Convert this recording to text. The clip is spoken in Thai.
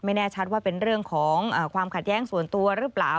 แน่ชัดว่าเป็นเรื่องของความขัดแย้งส่วนตัวหรือเปล่า